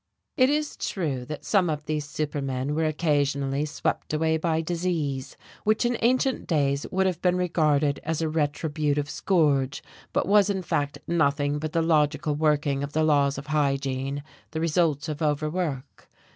It is true that some of these supermen were occasionally swept away by disease, which in ancient days would have been regarded as a retributive scourge, but was in fact nothing but the logical working of the laws of hygiene, the result of overwork.